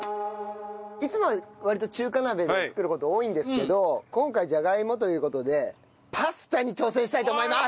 いつもは割と中華鍋で作る事多いんですけど今回じゃがいもという事でパスタに挑戦したいと思います！